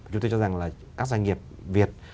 chúng tôi cho rằng là các doanh nghiệp việt